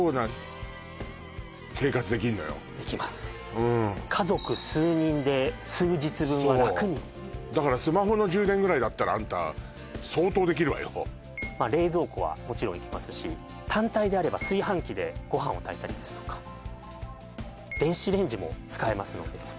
うん家族数人で数日分は楽にそうだからスマホの充電ぐらいだったらあんた相当できるわよ冷蔵庫はもちろんいけますし単体であれば炊飯器でご飯を炊いたりですとか電子レンジも使えますのでいや